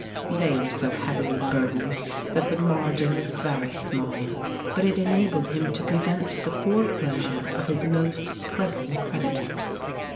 They were so heavily burdened that the margin was very small, but it enabled him to prevent the foreclosure of his most pressing creditors.